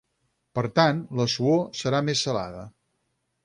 Per tant, la suor serà més salada.